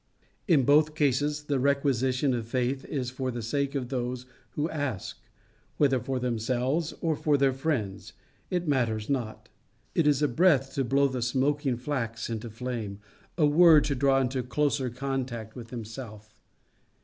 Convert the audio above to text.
In both cases, the requisition of faith is for the sake of those who ask whether for themselves or for their friends, it matters not. It is a breath to blow the smoking flax into a flame a word to draw into closer contact with himself.